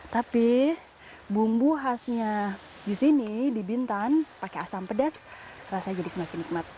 tapi bumbu khasnya di sini di bintan pakai asam pedas rasanya jadi semakin nikmat